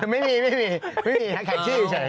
ไม่มีแข็งทื้อเฉย